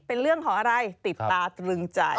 เป็นเรื่องของอะไรติดตาตรึงใจ